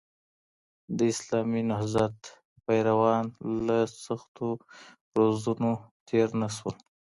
د اسلامي نهضت پیروان له سختو روزنو تېر نه سول.